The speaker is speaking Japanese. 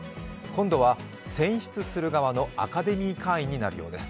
今度は選出する側のアカデミー会員になるようです。